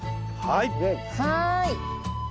はい。